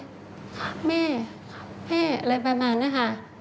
คับแม่คับแม่อะไรประมาณนั้นค่ะ